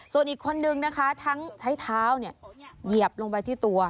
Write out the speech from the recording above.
ส่วนอีกคนนึงนะคะทั้งใช้เท้าเหยียบลงไปที่ตัว